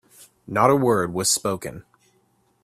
Not a word was spoken.